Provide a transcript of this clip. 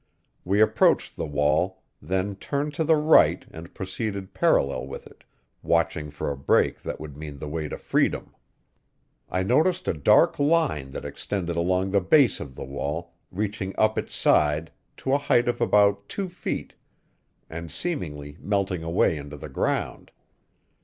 We approached the wall, then turned to the right and proceeded parallel with it, watching for a break that would mean the way to freedom. I noticed a dark line that extended along the base of the wall, reaching up its side to a height of about two feet and seemingly melting away into the ground.